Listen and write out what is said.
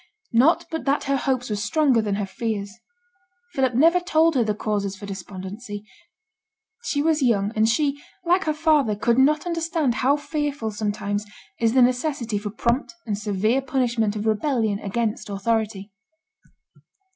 Not but that her hopes were stronger than her fears. Philip never told her the causes for despondency; she was young, and she, like her father, could not understand how fearful sometimes is the necessity for prompt and severe punishment of rebellion against authority.